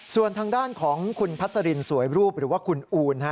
ส่วนทางด้านของคุณพัสรินสวยรูปหรือว่าคุณอูน